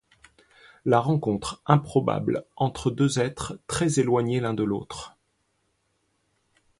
La rencontre improbable entre deux êtres très éloignés l'un de l'autre.